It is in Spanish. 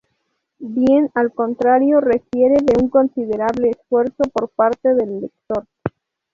Bien al contrario requiere de un considerable esfuerzo por parte del lector.